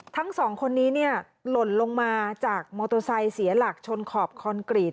ทั้งสองคนนี้เนี่ยหล่นลงมาจากมอเตอร์ไซค์เสียหลักชนขอบคอนกรีต